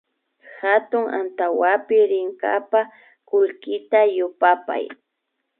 Hatun antawapi rinkapa kullkita yupapay